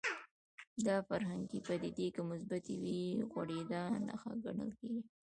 دا فرهنګي پدیدې که مثبتې وي غوړېدا نښه ګڼل کېږي